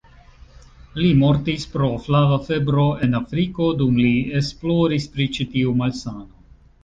Li mortis pro flava febro en Afriko, dum li esploris pri ĉi-tiu malsano.